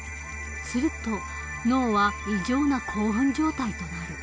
すると脳は異常な興奮状態となる。